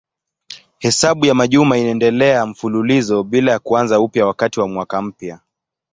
Hesabu ya majuma inaendelea mfululizo bila ya kuanza upya wakati wa mwaka mpya.